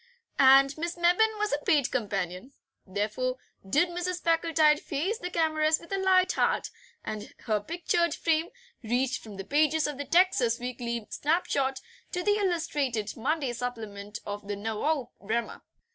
And Miss Mebbin was a paid companion. Therefore did Mrs. Packletide face the cameras with a light heart, and her pictured fame reached from the pages of the TEXAS WEEKLY SNAPSHOT to the illustrated Monday supplement of the NOVOE VREMYA.